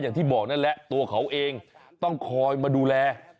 อย่างที่บอกนั่นแหละตัวเขาเองต้องคอยมาดูแล